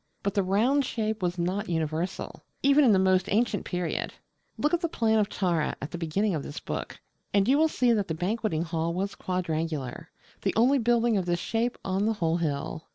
But the round shape was not universal, even in the most ancient period. Look at the plan of Tara, at the beginning of this book, and you will see that the Banqueting Hall was quadrangular, the only building of this shape on the whole hill.